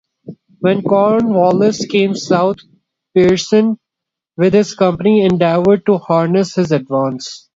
When Cornwallis came south, Pearson, with his company, endeavored to harass his advance.